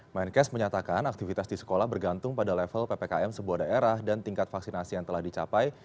menkes menyatakan aktivitas di sekolah bergantung pada level ppkm sebuah daerah dan tingkat vaksinasi yang telah dicapai